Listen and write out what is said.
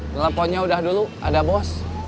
teleponnya udah dulu ada bos